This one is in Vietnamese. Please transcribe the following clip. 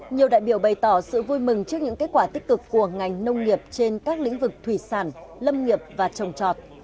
nhiều đại biểu bày tỏ sự vui mừng trước những kết quả tích cực của ngành nông nghiệp trên các lĩnh vực thủy sản lâm nghiệp và trồng trọt